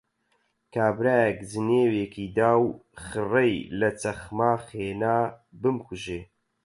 کابرایەک جنێوێکی دا و خڕەی لە چەخماخ هێنا بمکوژێ